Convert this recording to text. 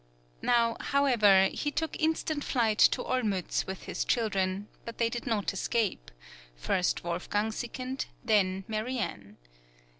Now, however, he took instant flight to Olmütz with his children, but they did not escape; first Wolfgang sickened, then Marianne.